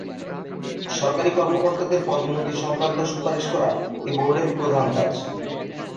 সরকারি কর্মকর্তাদের পদোন্নতি সংক্রান্ত সুপারিশ করা এ বোর্ডের প্রধান কাজ।